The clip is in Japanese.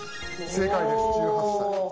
正解です１８歳。